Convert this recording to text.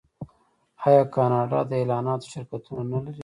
آیا کاناډا د اعلاناتو شرکتونه نلري؟